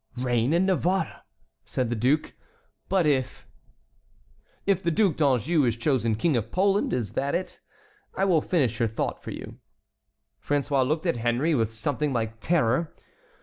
"Reign in Navarre!" said the duke; "but if"— "If the Duc d'Anjou is chosen King of Poland; is that it? I will finish your thought for you." François looked at Henry with something like terror.